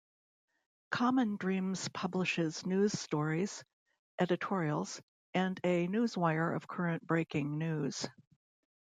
Common Dreams publishes news stories, editorials and a newswire of current breaking news.